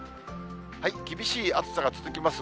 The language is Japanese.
厳しい暑さが続きます。